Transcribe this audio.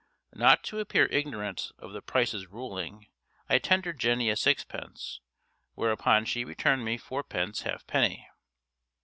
Not to appear ignorant of the prices ruling, I tendered Jenny a sixpence, whereupon she returned me fourpence halfpenny.